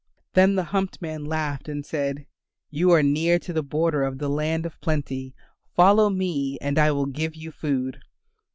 Then the humped man laughed and said, "You are near to the border of the Land of Plenty; follow me and I will give you food."